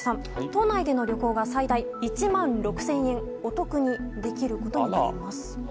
都内での旅行が最大１万６０００円お得にできることになります。